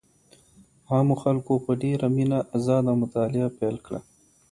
عامو خلګو په ډېره مينه ازاده مطالعه پيل کړه.